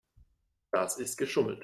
Das ist geschummelt.